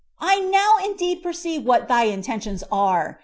I now indeed perceive what thy intentions are.